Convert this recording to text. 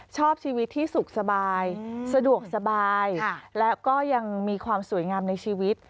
ชอบชีวิตที่สุขสบายสะดวกสบายและก็ยังมีความสวยงามในชีวิต